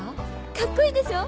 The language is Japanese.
カッコいいでしょ？